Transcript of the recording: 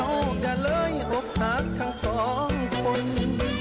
แม่น้อยหวัดเยี่ยม